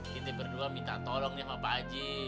kita berdua minta tolong nih sama pak haji